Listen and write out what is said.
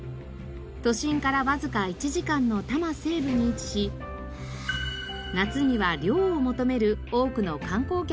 都心からわずか１時間の多摩西部に位置し夏には涼を求める多くの観光客でにぎわいます。